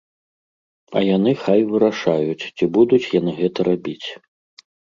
А яны хай вырашаюць, ці будуць яны гэта рабіць.